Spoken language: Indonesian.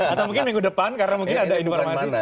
atau mungkin minggu depan karena mungkin ada indukan panas